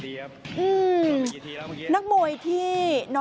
โย่ได้โย่